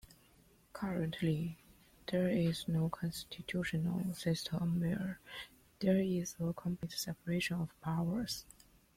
Currently, there is no constitutional system where there is a complete separation of powers.